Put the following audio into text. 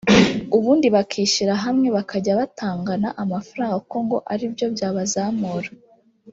ubundi bakishyira hamwe bakajya batangana amafaranga kuko ngo aribyo byabazamura